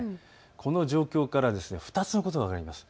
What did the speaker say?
この状況から２つのことが分かります。